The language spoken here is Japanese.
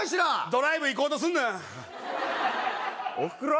ドライブ行こうとすんなおふくろ？